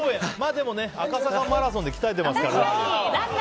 でもね、赤坂マラソンで鍛えてますから。